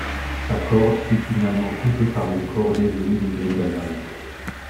Sa corde fut finalement coupée par une cordée venue de Grindelwald.